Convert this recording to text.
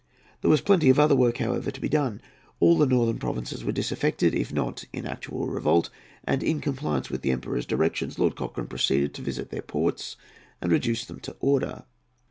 There was plenty of other work, however, to be done. All the northern provinces were disaffected, if not in actual revolt, and, in compliance with the Emperor's directions, Lord Cochrane proceeded to visit their ports and reduce them to order.